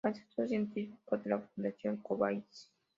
Asesor científico de la Fundación Kovacs.